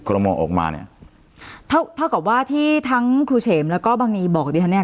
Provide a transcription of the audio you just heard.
คลมออกมาเนี้ยถ้าเกิดว่าที่ทั้งครูเฉมแล้วก็บางนี้บอกดีทันเนี้ย